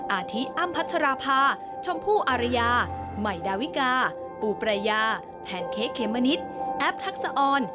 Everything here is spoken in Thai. อาทิอ้ำพัชราภาชมพู่อารยาใหม่ดาวิกาปูปรายาแพนเค้กเขมมะนิดแอปทักษะออน